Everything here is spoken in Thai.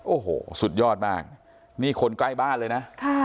โอ้โหสุดยอดมากนี่คนใกล้บ้านเลยนะ